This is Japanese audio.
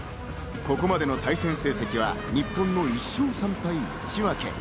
ここまでの対戦成績は日本の１勝３敗１分け。